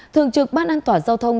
thường trực ban an toàn giao thông